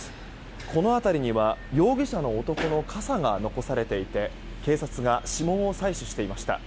この辺りには容疑者の男の傘が残されていて警察が指紋を採取していました。